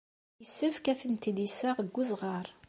Yessefk ad tent-id-iseɣ deg uzɣar.